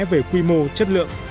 về quy mô chất lượng